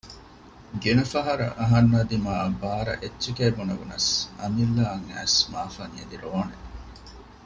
ގިނަ ފަހަރަށް އަހަންނާ ދިމާއަށް ބާރަށް އެއްޗެކޭ ބުނެވުނަސް އަމިއްލައަށް އައިސް މާފަށް އެދި ރޯނެ